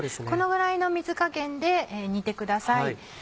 このぐらいの水加減で煮てください。